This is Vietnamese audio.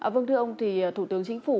vâng thưa ông thì thủ tướng chính phủ